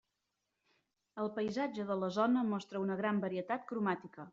El paisatge de la zona mostra una gran varietat cromàtica.